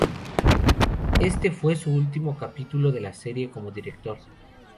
Este fue su último capítulo de la serie como director.